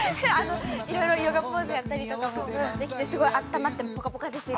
いろいろヨガポーズをやったりとかできて、すごいあったまって、ぽかぽかです、今。